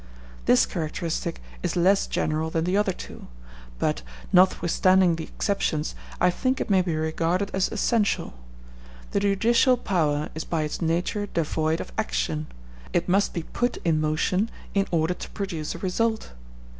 This characteristic is less general than the other two; but, notwithstanding the exceptions, I think it may be regarded as essential. The judicial power is by its nature devoid of action; it must be put in motion in order to produce a result.